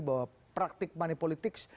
bahwa praktik manipolitik